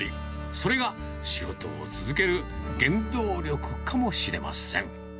それが仕事を続ける原動力かもしれません。